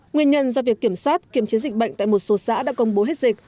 nguyên nhân do việc kiểm soát kiểm chế dịch bệnh tại một số xã đã công bố hết dịch